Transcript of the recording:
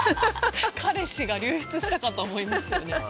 彼氏が流出したかと思いますよね。